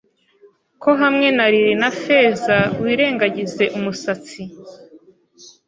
ko hamwe na lili na feza wirengagize umusatsi